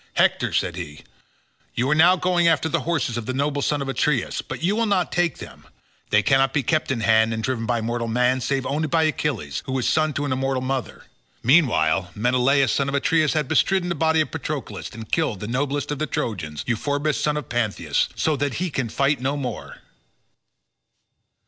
"Hector," said he, "you are now going after the horses of the noble son of Aeacus, but you will not take them; they cannot be kept in hand and driven by mortal man, save only by Achilles, who is son to an immortal mother. Meanwhile Menelaus son of Atreus has bestridden the body of Patroclus and killed the noblest of the Trojans, Euphorbus son of Panthous, so that he can fight no more."